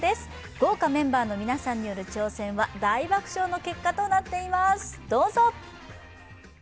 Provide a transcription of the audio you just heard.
豪華メンバーの皆さんによる挑戦は大爆笑の結果となっております。